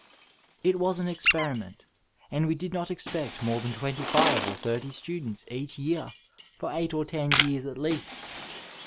It was an experiment, and we did not expect more than twenty five or thirty students each year for eight or ten years at least.